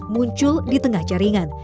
muncul di tengah jaringan